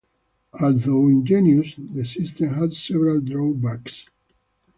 Although ingenious, the system had several drawbacks.